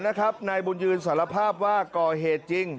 นายบุญยืนสารภาพว่าก่อเหตุจริง